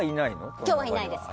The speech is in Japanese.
今日はいないです。